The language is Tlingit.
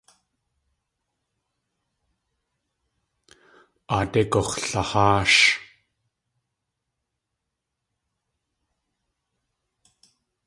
Aadé gux̲laháash.